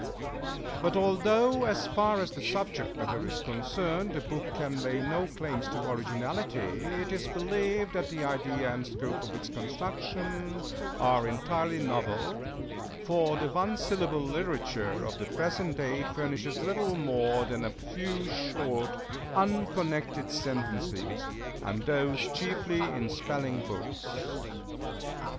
But although, as far as the subject matter is concerned, the book can lay no claims to originality, it is believed that the idea and scope of its construction are entirely novel, for the One Syllable literature of the present day furnishes little more than a few short, unconnected sentences, and those chiefly in spelling books.